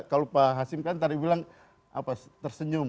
kalau pak hasim kan tadi bilang tersenyum